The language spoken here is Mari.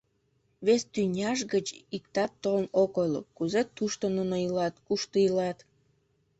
Вес тӱняж гыч иктат толын ок ойло, кузе тушто нуно илат, кушто илат?